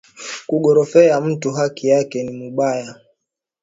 Ku gorofea mutu haki yake ni mubaya